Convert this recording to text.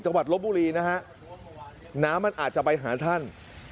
ลบบุรีนะฮะน้ำมันอาจจะไปหาท่าน